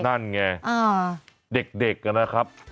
เด็กนะครับ